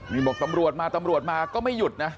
นี่บอกตำรวจมามาก็ไม่หยุดนะ